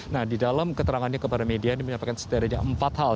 nah di dalam keterangannya kepada media dia menyampaikan setidaknya empat hal